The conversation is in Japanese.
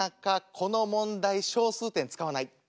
この問題小数点使わない。